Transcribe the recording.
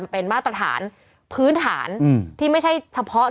พื้นฐานที่ไม่ใช่เฉพาะ